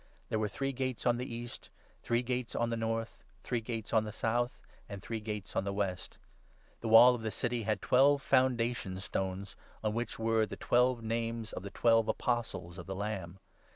'There 13 were three gates on the east, three gates on the north, three gates on the south, and three gates on the west.' The wall of 14 the City had twelve foundation stones, on which were the twelve names of the twelve Apostles of the Lamb.